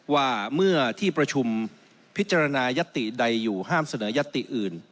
ว่าเมื่อที่ประชุมพิจารณายัตติใดอยู่ห้ามเสนอยัตติอื่น